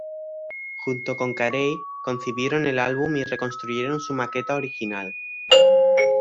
Junto con Carey, concibieron el álbum y reconstruyeron su maqueta original.